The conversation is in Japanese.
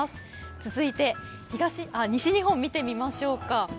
続いて西日本を見てみましょう。